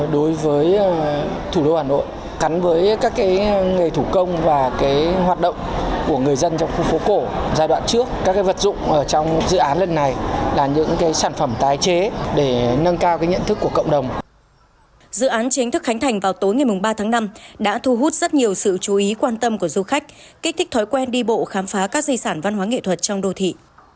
dự án chính thức khánh thành vào tối ngày ba tháng năm đã thu hút rất nhiều sự chú ý quan tâm của du khách kích thích thói quen đi bộ khám phá các dây sản văn hóa nghệ thuật trong đô thị